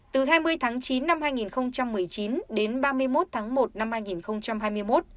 từ hai mươi tháng chín năm hai nghìn một mươi chín đến ba mươi một tháng một năm hai nghìn hai mươi một